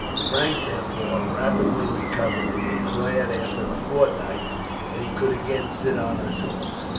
Frank, therefore, rapidly recovered, and declared after a fortnight that he could again sit on his horse.